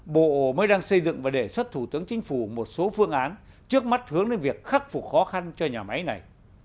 bộ mới đang xây dựng và đề xuất thủ tướng chính phủ một số phương án trước mắt hướng đến việc khắc phục khó khăn cho nhà máy này